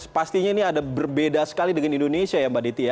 pastinya ini ada berbeda sekali dengan indonesia ya mbak diti ya